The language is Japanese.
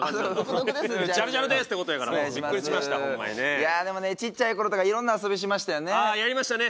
いやあでもねちっちゃい頃とかいろんな遊びしましたよね。